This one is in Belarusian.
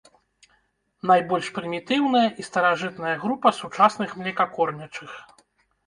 Найбольш прымітыўная і старажытная група сучасных млекакормячых.